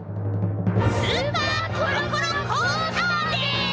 スーパーコロコロコースターです！